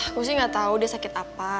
aku sih gak tau deh sakit apa